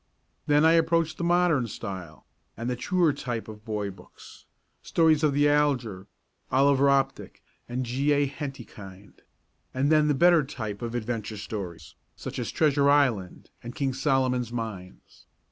Then I approached the modern style and the truer type of boy books, stories of the Alger, Oliver Optic and G. A. Henty kind; and then the better type of adventure stories, such as "Treasure Island" and "King Solomon's Mines."